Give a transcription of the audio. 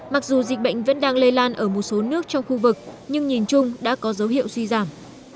mặc dù dịch bệnh vẫn đang lây lan ở một số nước trong khu vực nhưng nhìn chung đã có dấu hiệu suy giảm